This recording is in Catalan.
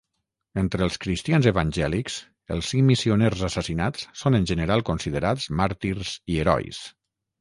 Entre els cristians evangèlics, els cinc missioners assassinats són en general considerats màrtirs i herois.